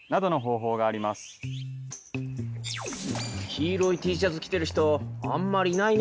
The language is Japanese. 黄色いＴシャツ着てる人あんまりいないね。